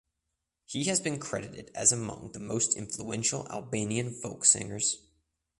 He has been credited as among the most influential Albanian folk singers.